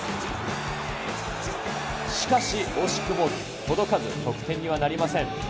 しかし、惜しくも届かず、得点にはなりません。